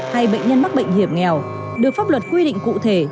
hay bệnh nhân mắc bệnh hiểm nghèo được pháp luật quy định cụ thể